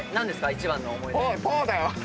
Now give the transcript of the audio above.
一番の思い出。